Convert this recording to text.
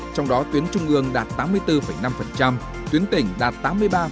trong đó tuyến trung ương đạt tám mươi bốn năm tuyến tỉnh đạt tám mươi ba